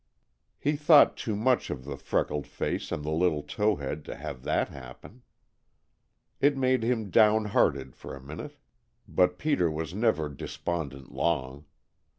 He thought too much of the freckled face, and the little tow head to have that happen. It made him down hearted for a minute, but Peter was never despondent long.